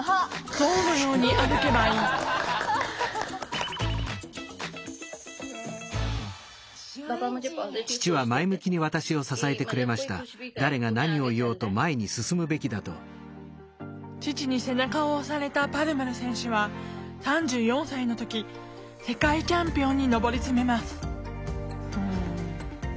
象のように歩けばいい父に背中を押されたパルマル選手は３４歳の時世界チャンピオンに上り詰めます